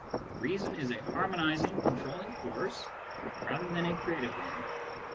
Reason is a harmonising, controlling force rather than a creative one.